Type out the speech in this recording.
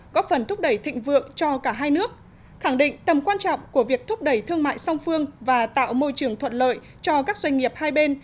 góp phần thúc đẩy thịnh vượng cho cả hai nước khẳng định tầm quan trọng của việc thúc đẩy thương mại song phương và tạo môi trường thuận lợi cho các doanh nghiệp hai bên